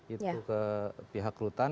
itu ke pihak rutan